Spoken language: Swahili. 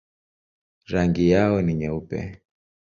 Rangi yao ni nyeupe.